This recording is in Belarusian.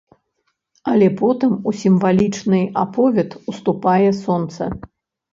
Але потым у сімвалічны аповед уступае сонца.